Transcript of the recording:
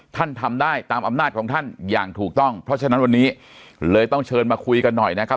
ท่านทำได้ตามอำนาจของท่านอย่างถูกต้องเพราะฉะนั้นวันนี้เลยต้องเชิญมาคุยกันหน่อยนะครับ